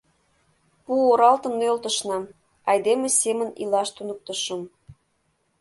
Пу оралтым нӧлтышна, айдеме семын илаш туныктышым...